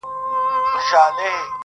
دله غل د کور مالت نه غلا کوي -